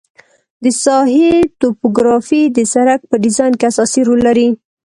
د ساحې توپوګرافي د سرک په ډیزاین کې اساسي رول لري